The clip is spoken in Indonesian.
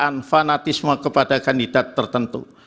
memberikan fanatisme kepada kandidat tertentu